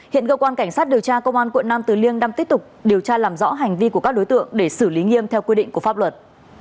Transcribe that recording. hiện cơ quan cảnh sát điều tra công an quận nam từ liêm đang tiếp tục điều tra làm rõ hành vi của các đối tượng để xử lý nghiêm theo quy định của pháp luật